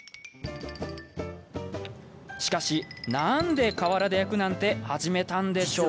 しかし、なんで瓦で焼くなんて始めたんでしょう？